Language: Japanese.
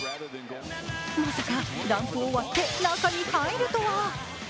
まさかランプを割って、中に入るとは。